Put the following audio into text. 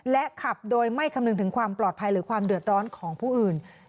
และขับโดยไม่คำนึงถึงความปลอดภัยหรือความเดือดร้อนของผู้อื่น